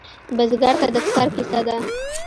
بزګر ته د کر کیسه ده